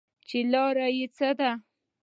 چې حل لاره ئې څۀ ده -